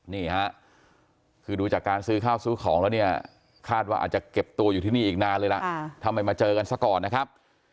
นี่ฮะคือดูจากการซื้อข้าวซื้อของแล้วเนี่ยคาดว่าอาจจะเก็บตัวอยู่ที่นี่อีกนานเลยล่ะทำไมมาเจอกันซะก่อนนะครับ